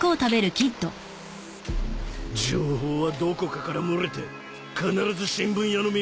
情報はどこかから漏れて必ず新聞屋の耳に入ってる。